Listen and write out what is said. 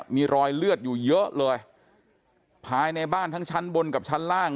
มีรอยเลือดอยู่เยอะเลยภายในบ้านทั้งชั้นบนกับชั้นล่าง